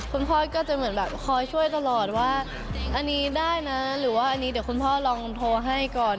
คนพ่อก็ขอช่วยตลอด่งว่านี่ได้นะเค้าจะลองโทรให้ก่อน